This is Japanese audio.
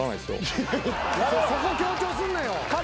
そこ強調すんなよ。